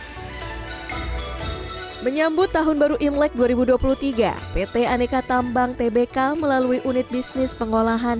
hai menyambut tahun baru imlek dua ribu dua puluh tiga pt aneka tambang tbk melalui unit bisnis pengolahan